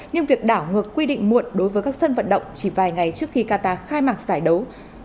nhưng việc đảo ngược quy định muộn đối với các sân vận động chỉ vài ngày trước khi qatar khai mạc giải đấu